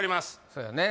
そうやね